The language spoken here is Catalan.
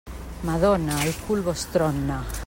Madona, el cul vos trona.